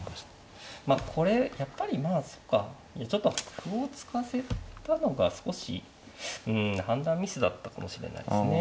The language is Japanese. まあこれやっぱりまあそっかいやちょっと歩を突かせたのが少しうん判断ミスだったかもしれないですね。